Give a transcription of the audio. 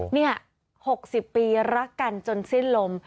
นี่หกสิบปีรักกันจนสิ้นลม